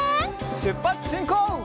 しゅっぱつしんこう！